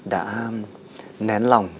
đã nén lòng